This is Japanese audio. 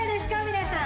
皆さん。